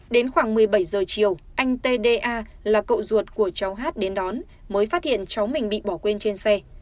đến khoảng một mươi bảy giờ chiều anh tda là cậu ruột của cháu hát đến đón mới phát hiện cháu mình bị bỏ quên trên xe